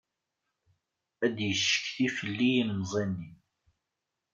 Ad yeccetki fell-i yilemẓi-nni.